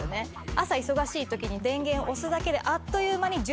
朝忙しい時に電源を押すだけであっという間に準備が完了です。